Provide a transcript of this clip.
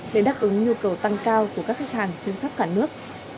để đáp ứng nhu cầu tăng cao của các khách hàng trên khắp cả nước